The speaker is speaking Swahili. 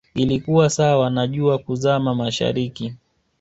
ilikuwa sawa na jua kuzama mashariki